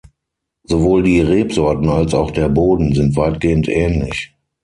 Sowohl die Rebsorten als auch der Boden sind weitgehend ähnlich.